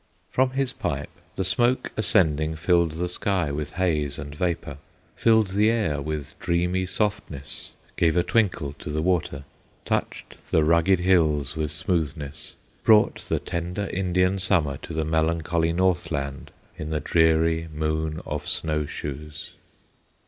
From his pipe the smoke ascending Filled the sky with haze and vapor, Filled the air with dreamy softness, Gave a twinkle to the water, Touched the rugged hills with smoothness, Brought the tender Indian Summer To the melancholy north land, In the dreary Moon of Snow shoes.